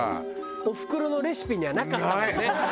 おふくろのレシピにはなかったもんね。